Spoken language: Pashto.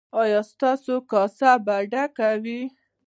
ایا ستاسو کاسه به ډکه وي؟